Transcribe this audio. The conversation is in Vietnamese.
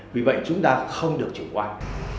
vì vậy chúng ta không được chủ quan